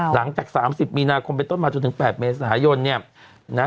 หลังจาก๓๐มีนาคมไปต้นมาจนถึง๘เมษายนเนี่ยนะ